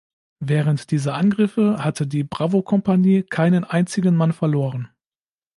Während dieser Angriffe hatte die Bravo-Kompanie keinen einzigen Mann verloren.